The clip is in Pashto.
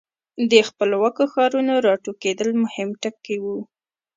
د خپلواکو ښارونو را ټوکېدل مهم ټکي وو.